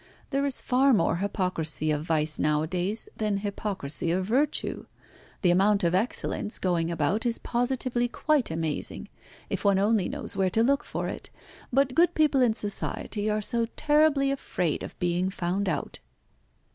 There is far more hypocrisy of vice nowadays than hypocrisy of virtue. The amount of excellence going about is positively quite amazing, if one only knows where to look for it; but good people in Society are so terribly afraid of being found out."